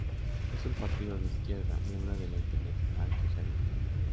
Es un partido de izquierda, miembro de la Internacional Socialista.